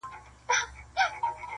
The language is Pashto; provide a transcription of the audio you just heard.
د مینو اسوېلیو ته دي پام دی,